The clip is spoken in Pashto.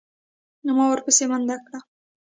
ما ورپسې منډه کړه.